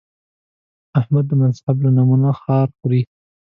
احمد د مذهب له نومه خار خوري.